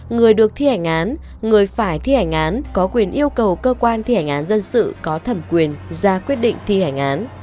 người được thi hành án người phải thi hành án có quyền yêu cầu cơ quan thi hành án dân sự có thẩm quyền ra quyết định thi hành án